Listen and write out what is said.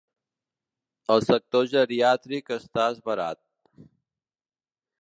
El sector geriàtric està esverat.